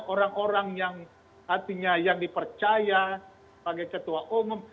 orang orang yang artinya yang dipercaya sebagai ketua umum